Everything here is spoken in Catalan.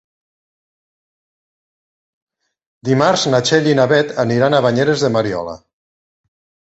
Dimarts na Txell i na Beth aniran a Banyeres de Mariola.